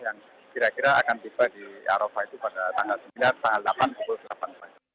yang kira kira akan tiba di arofa itu pada tanggal sembilan tahun delapan delapan